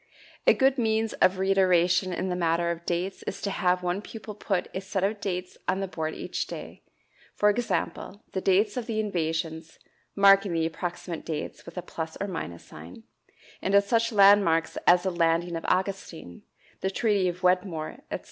A good means of reiteration in the matter of dates is to have one pupil put a set of dates on the board each day for example, the dates of the invasions (marking the approximate dates with a plus or minus sign), and of such landmarks as the Landing of Augustine, the Treaty of Wedmore, etc.